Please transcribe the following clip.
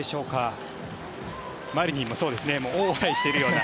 マリニンも応援しているような。